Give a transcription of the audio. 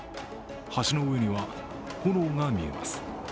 橋の上には炎が見えます。